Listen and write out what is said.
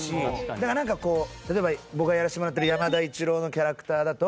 だからなんかこう例えば僕がやらせてもらってる山田一郎のキャラクターだと。